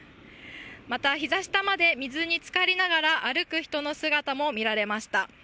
また、膝下まで水に浸かりながら歩く人の姿も見られました。